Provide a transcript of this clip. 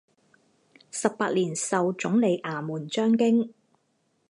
十八年授总理衙门章京。